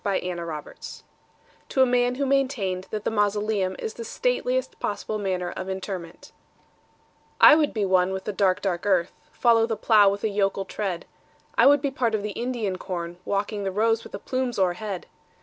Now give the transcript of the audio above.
The Traveller heart (To a Man who maintained that the Mausoleum is the Stateliest Possible Manner of Interment) I would be one with the dark, dark earth:— Follow the plough with a yokel tread. I would be part of the Indian corn, Walking the rows with the plumes o'erhead.